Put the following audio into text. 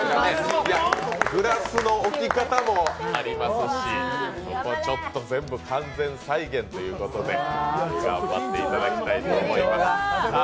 グラスの置き方もありますし、そこちょっと、全部完全再現ということで、頑張っていただきたいと思います。